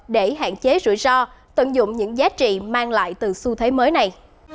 để hạn chế rủi ro tận dụng những giá trị mang lại từ xu thế mới này